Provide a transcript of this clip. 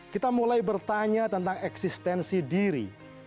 kita mulai bertanya tentang eksistensi diri